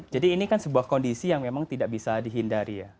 jadi ini kan sebuah kondisi yang memang tidak bisa dihindari ya